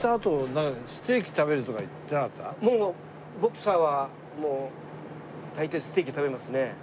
ボクサーはもう大抵ステーキ食べますね。